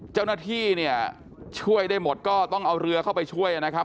เจ้าหน้าที่เนี่ยช่วยได้หมดก็ต้องเอาเรือเข้าไปช่วยนะครับ